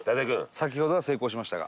先ほどは成功しましたが。